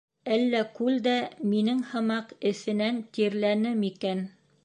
Әллә күл дә минең һымаҡ эҫенән тирләне микән?